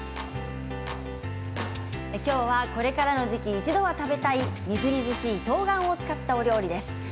きょうはこれからの時期一度は食べたいみずみずしいとうがんを使った料理です。